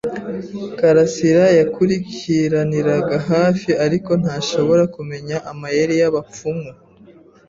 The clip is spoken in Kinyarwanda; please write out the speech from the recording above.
karasira yakurikiraniraga hafi, ariko ntashobora kumenya amayeri y'abapfumu.